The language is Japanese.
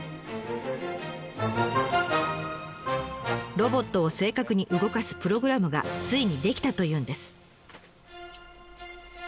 ロボットを正確に動かすプログラムがついに出来たというんです。